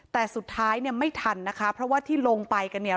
แต่สุดท้ายเนี่ยไม่ทันนะคะเพราะว่าที่ลงไปกันเนี่ย